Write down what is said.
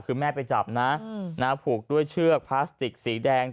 คือแม่ไปจับนะผูกด้วยเชือกพลาสติกสีแดง